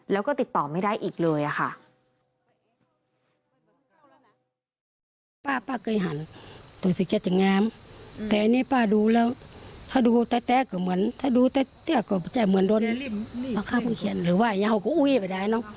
แล้วก็ติดต่อไม่ได้อีกเลยค่ะ